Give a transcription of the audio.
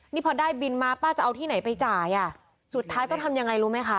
นี่พอได้บินมาป้าจะเอาที่ไหนไปจ่ายอ่ะสุดท้ายต้องทำยังไงรู้ไหมคะ